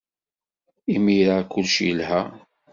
Imir-a, kullec yelha.